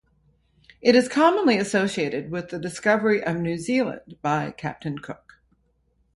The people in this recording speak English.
It is commonly associated with the discovery of New Zealand by Captain Cook.